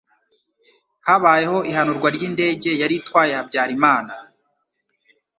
habayeho ihanurwa ry'indege yari itwaye Habyarimana